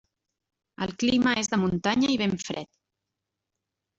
El clima és de muntanya i ben fred.